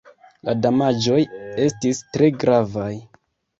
La damaĝoj estis tre gravaj.